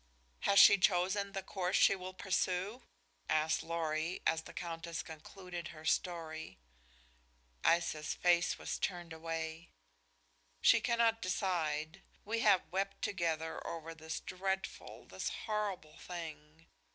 "Has she chosen the course she will pursue?" asked Lorry, as the Countess concluded her story. Isis face was turned away. "She cannot decide. We have wept together over this dreadful, this horrible thing.